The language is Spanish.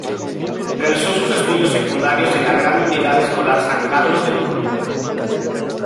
Realizó sus estudios secundarios en la Gran Unidad Escolar San Carlos de Puno.